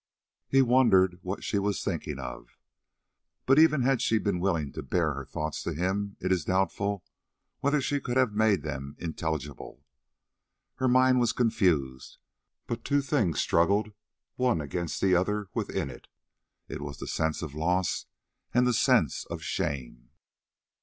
He wondered what she was thinking of; but even had she been willing to bare her thoughts to him, it is doubtful whether she could have made them intelligible. Her mind was confused, but two things struggled one against the other within it, the sense of loss and the sense of shame.